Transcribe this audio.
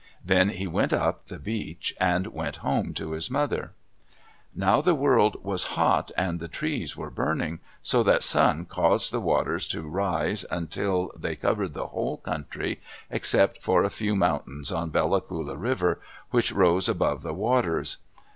Then he went up the beach and went home to his mother. Now the world was hot, and the trees were burning, so that Sun caused the waters to rise until they covered the whole country except for a few mountains on Bella Coola River which rose above the waters.